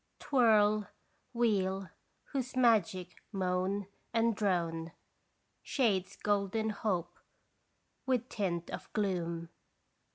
Twirl, wheel, whose magic moan and drone Shades golden hope with tint of gloom.